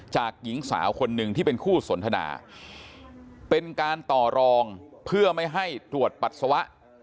หญิงสาวคนหนึ่งที่เป็นคู่สนทนาเป็นการต่อรองเพื่อไม่ให้ตรวจปัสสาวะ